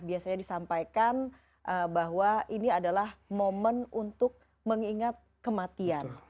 biasanya disampaikan bahwa ini adalah momen untuk mengingat kematian